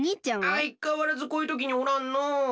あいかわらずこういうときにおらんのう。